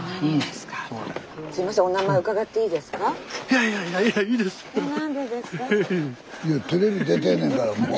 スタジオいやテレビ出てんねんからもう。